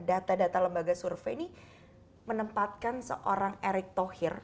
data data lembaga survei ini menempatkan seorang erick thohir